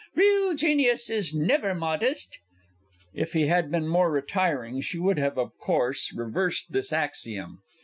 Real genius is never modest. (_If he had been more retiring, she would have, of course, reversed this axiom.